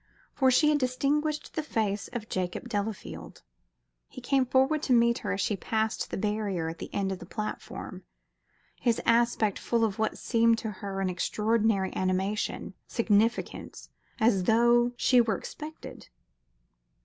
For she had distinguished the face of Jacob Delafield. He came forward to meet her as she passed the barrier at the end of the platform, his aspect full of what seemed to her an extraordinary animation, significance, as though she were expected.